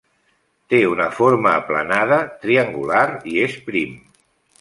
Té una forma aplanada, triangular i és prim.